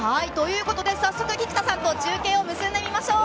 早速菊田と中継を結んでみましょう。